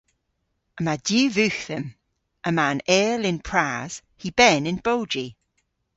Yma diw vugh dhymm. Yma an eyl y'n pras, hy ben y'n bowji.